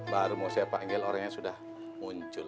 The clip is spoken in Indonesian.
baru mau saya panggil orang yang sudah muncul